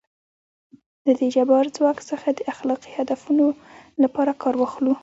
له دې جبار ځواک څخه د اخلاقي هدفونو لپاره کار واخلو.